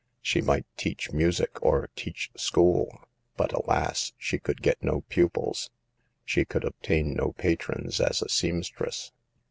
She might teach music or teach school, but alas ! she could get no pupils. She could obtain no patrons as a seamstress.